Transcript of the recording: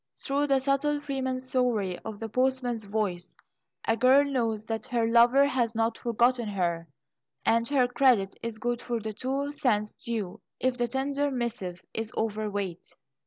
Through the subtle freemasonry of the postman's voice a girl knows that her lover has not forgotten her and her credit is good for the "two cents due" if the tender missive is overweight.